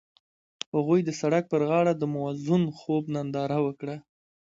هغوی د سړک پر غاړه د موزون خوب ننداره وکړه.